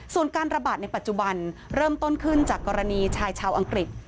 ส่วนการระบาดในปัจจุบันเริ่มต้นขึ้นจากกรณีชายชาวอังกฤษ